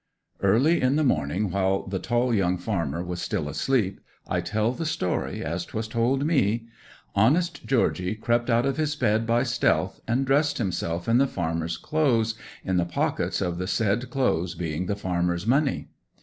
'Early in the morning, while the tall young farmer was still asleep (I tell the story as 'twas told me), honest Georgy crept out of his bed by stealth, and dressed himself in the farmer's clothes, in the pockets of the said clothes being the farmer's money.